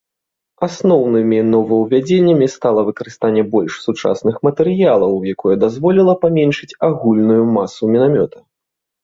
Асноўнымі новаўвядзеннямі стала выкарыстанне больш сучасных матэрыялаў, якое дазволіла паменшыць агульную масу мінамёта.